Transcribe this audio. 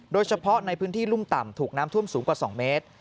โดยเฉพาะในพื้นที่รุ่มต่ำถูกน้ำท่วมสูงกว่า๒เมตร